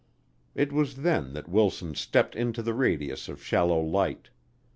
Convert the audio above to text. It was then that Wilson stepped into the radius of shallow light.